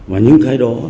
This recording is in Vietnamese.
mà những cái đó